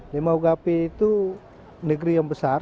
limau gapi itu negeri yang besar